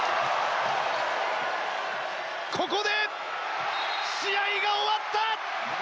ここで試合が終わった！